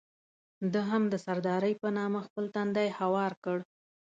ده هم د سردارۍ په نامه خپل تندی هوار کړ.